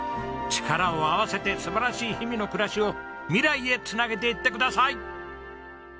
力を合わせて素晴らしい氷見の暮らしを未来へ繋げていってください！